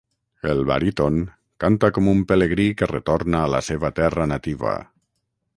El baríton canta com un pelegrí que retorna a la seva terra nativa.